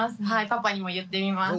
パパにも言ってみます。